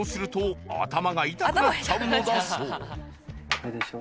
これでしょ。